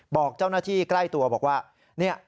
บอกเจ้าหน้าที่ใกล้ตัวบอกว่า